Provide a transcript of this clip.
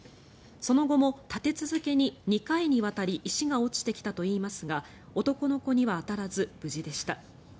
その後も立て続けに２回にわたり石が落ちてきたといいますが男の子には当たらず無事でした。